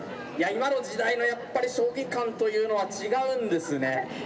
今の時代のやっぱり将棋観というのは違うんですね。